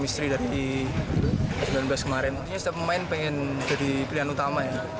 sebagai pemain pengen jadi pilihan utama ya